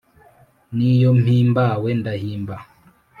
N'iyo mpimbawe ndahimba